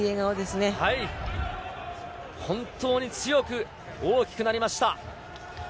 本当に強く大きくなりました。